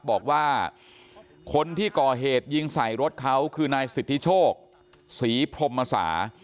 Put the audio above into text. บอกว่าคนที่ก่อเหตุยิงใส่รถเขาคือนายสิทธิโชคศรีพรมศา